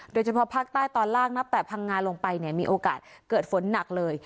โดยเฉพาะภาคใต้ตอนล่างนับแต่พังงาลงไปเนี่ยมีโอกาสเกิดฝนหนักเลย